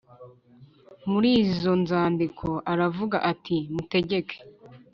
aMuri izo nzandiko aravuga ati “mutegeke”